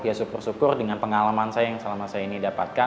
ya syukur syukur dengan pengalaman saya yang selama saya ini dapatkan